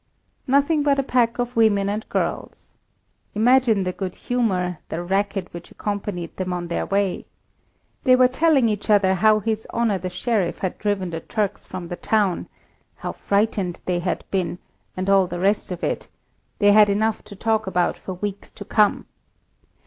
Nothing but a pack of women and girls. Imagine the good humour, the racket which accompanied them on the way! They were telling each other how his Honour the Sheriff had driven the Turks from the town, how frightened they had been, and all the rest of it; they had enough to talk about for weeks to come.